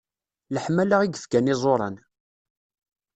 Leḥmala i yefkan iẓuran.